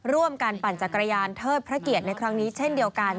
ปั่นจักรยานเทิดพระเกียรติในครั้งนี้เช่นเดียวกัน